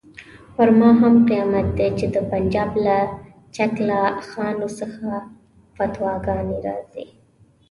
پر ما هم قیامت دی چې د پنجاب له چکله خانو څخه فتواګانې راځي.